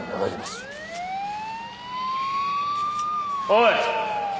おい！